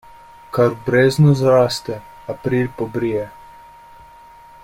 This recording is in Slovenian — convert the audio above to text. Kar v breznu zraste, april pobrije.